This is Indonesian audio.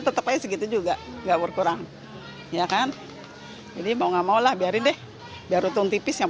tetap aja gitu juga nggak berkurang ya kan jadi mau nggak maulah biarin deh biar utung tipis yang